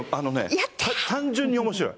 単純に面白い。